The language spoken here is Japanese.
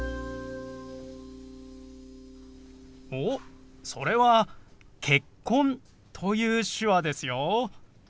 おっそれは「結婚」という手話ですよ。